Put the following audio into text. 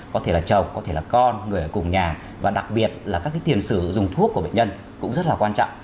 có thể là chồng có thể là con người ở cùng nhà và đặc biệt là các cái tiền sử dụng thuốc của bệnh nhân cũng rất là quan trọng